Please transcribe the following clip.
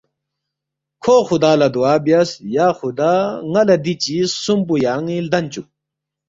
کھو خُدا لہ دُعا بیاس، ”یا خُدا ن٘ا لہ دی چیز خسُوم پو یان٘ی لدن چُوک